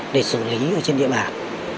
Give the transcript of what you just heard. để xử lý trên địa bạc